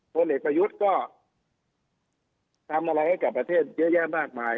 พลเอกประยุทธ์ก็ทำอะไรให้กับประเทศเยอะแยะมากมาย